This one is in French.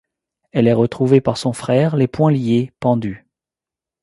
Elle est retrouvée par son frère, les poings liés, pendue.